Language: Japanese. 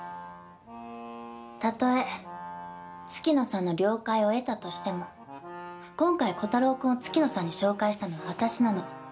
たとえ月野さんの了解を得たとしても今回炬太郎くんを月野さんに紹介したのは私なの。